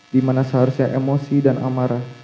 dimana seharusnya emosi dan amarah